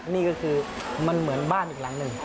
นี่ก็คือมันเหมือนบ้านอีกหลังหนึ่ง